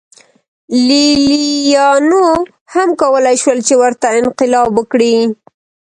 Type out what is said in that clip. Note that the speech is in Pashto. لېلیانو هم کولای شول چې ورته انقلاب وکړي